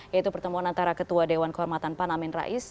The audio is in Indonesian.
yaitu pertemuan antara ketua dewan kehormatan pan amin rais